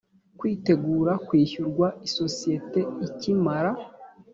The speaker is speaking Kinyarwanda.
kwitegura kwishyurwa isosiyete ikimara